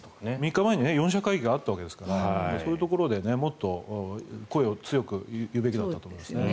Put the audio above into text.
３日前に四者会議があったわけですからそういうところでもっと声を強く言うべきだったと思いますね。